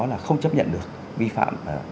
là không chấp nhận được vi phạm